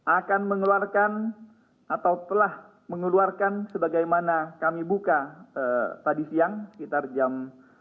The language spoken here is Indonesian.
akan mengeluarkan atau telah mengeluarkan sebagaimana kami buka tadi siang sekitar jam